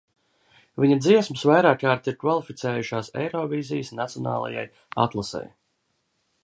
Viņa dziesmas vairākkārt ir kvalificējušās Eirovīzijas nacionālajai atlasei.